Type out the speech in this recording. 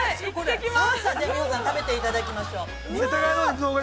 ◆食べていただきましょう。